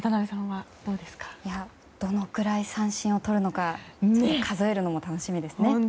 どのくらい三振をとるか数えるのも楽しみですね。